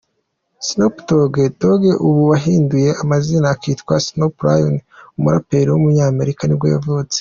Snoop Dogg Dogg ubu wahinduye amazina akitwa Snoop Lion, umuraperi w’umunyamerika nibwo yavutse.